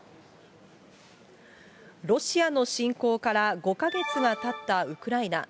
ロシアの侵攻から５か月がたったウクライナ。